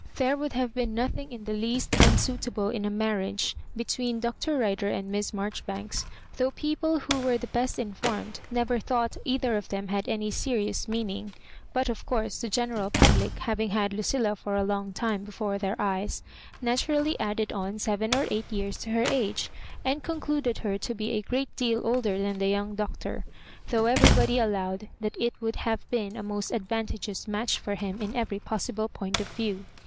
There would have' been nothing in the least un suitable in a marriage between Dr. Rider and Miss Marjoribanks, though people who were the best informed never thought either of them had any serious meaning ; but, of course, the general public, having had Lucilla for a long time before their eyes, naturally added on seven or eight years to her age, and concluded her to be a great deal older than the young doctor, though everybody allowed that it would have been a most advan tageous match for him in every possible point of view.